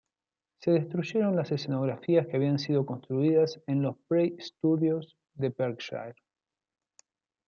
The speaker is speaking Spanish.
Se destruyeron las escenografías que habían sido construidas en los Bray Studios de Berkshire.